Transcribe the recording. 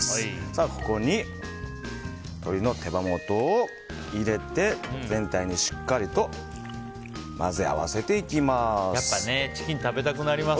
ここに鶏の手羽元を入れて全体にしっかりと混ぜ合わせていきます。